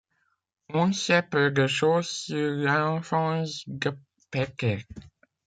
On sait peu de choses sur l'enfance de Peter.